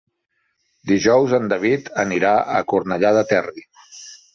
Dijous en David anirà a Cornellà del Terri.